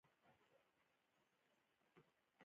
د نارنج ګل د خوب لپاره وکاروئ